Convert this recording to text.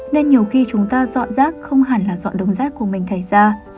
nên nhiều khi chúng ta dọn rác không hẳn là dọn đường rác của mình thay ra